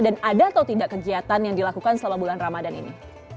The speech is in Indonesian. dan ada atau tidak kegiatan yang dilakukan selama bulan ramadan ini